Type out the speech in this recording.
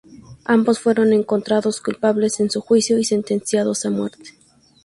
Ambos fueron encontrados culpables en su juicio y sentenciados a muerte.